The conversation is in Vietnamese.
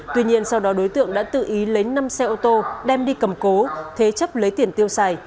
tuy nhiên sau đó đối tượng đã tự ý lấy năm xe ô tô đem đi cầm cố thế chấp lấy tiền tiêu xài